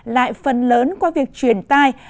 lại phần lớn qua việc truyền tai